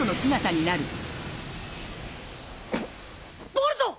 ボルト！